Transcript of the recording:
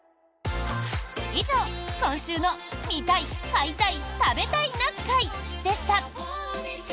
以上、今週の「見たい買いたい食べたいな会」でした。